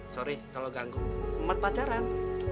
sorry kalau ganggu umat pacaran